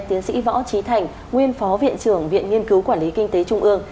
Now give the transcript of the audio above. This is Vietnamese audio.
tiến sĩ võ trí thành nguyên phó viện trưởng viện nghiên cứu quản lý kinh tế trung ương